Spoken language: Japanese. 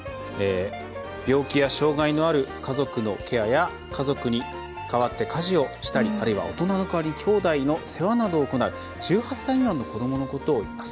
病気や障害のある家族のケアや家族に代わって家事をしたりあるいは大人の代わりにきょうだいの世話などを行う１８歳未満の子どものことを言います。